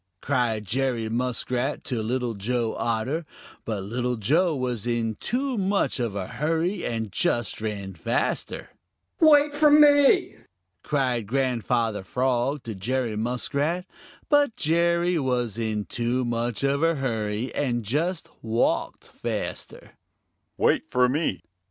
cried Jerry Muskrat to Little Joe Otter, but Little Joe was in too much of a hurry and just ran faster. "Wait for me!" cried Grandfather Frog to Jerry Muskrat, but Jerry was in too much of a hurry and just walked faster. "Wait for me!"